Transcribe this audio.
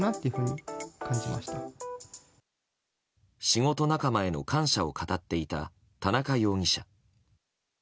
仕事仲間への感謝を語っていた田中容疑者。